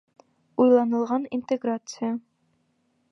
Уйланылған интеграция